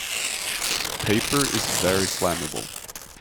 Paper is very flammable.